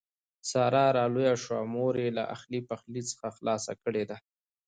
ساره چې را لویه شوه مور یې له اخلي پخلي څخه خلاصه کړې ده.